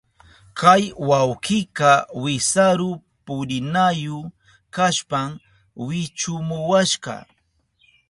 Kay wawkika wisaru purinayu kashpan wichumuwashka.